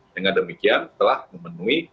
dengan demikian telah memenuhi